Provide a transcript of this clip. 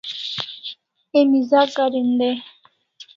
Emi za karin dai